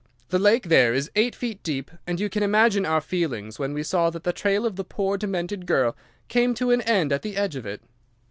The lake there is eight feet deep, and you can imagine our feelings when we saw that the trail of the poor demented girl came to an end at the edge of it.